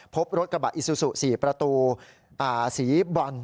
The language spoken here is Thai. พบรถกระบะอิซูซู๔ประตูสีบรอน